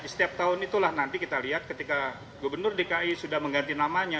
setiap tahun itulah nanti kita lihat ketika gubernur dki sudah mengganti namanya